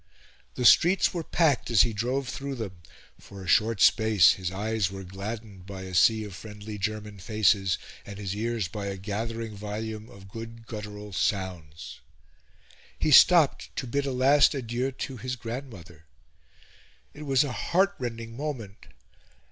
The streets were packed as he drove through them; for a short space his eyes were gladdened by a sea of friendly German faces, and his ears by a gathering volume of good guttural sounds. He stopped to bid a last adieu to his grandmother. It was a heartrending moment.